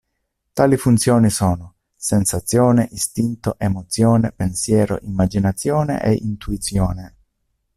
Tali funzioni sono: sensazione, istinto, emozione, pensiero, immaginazione e intuizione.